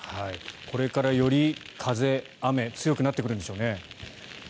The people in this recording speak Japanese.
これから、より風、雨強くなってくるんでしょうね。